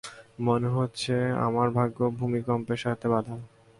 মনে হচ্ছে আমার ভাগ্য ভূমিকম্পের সাথে বাঁধা।